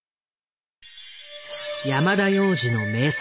山田洋次の名作